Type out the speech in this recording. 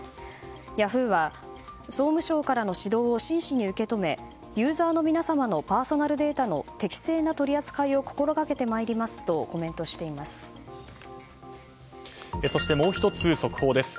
ヤフーは総務省からの指導を真摯に受け止めユーザーの皆様のパーソナルデータの適正な取り扱いを心がけてまいりますとそして、もう１つ速報です。